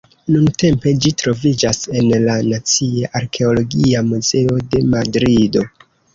Nuntempe ĝi troviĝas en la Nacia Arkeologia Muzeo de Madrido.